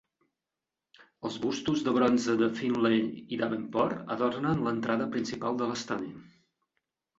Els bustos de bronze de Finley i Davenport adornen l'entrada principal de l'estadi.